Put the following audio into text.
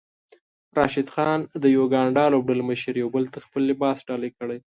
راشد خان او د يوګاندا لوبډلمشر يو بل ته خپل لباس ډالۍ کړی